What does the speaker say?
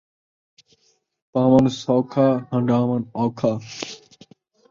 پاوݨ سوکھا، ہنڈھاوݨ اوکھا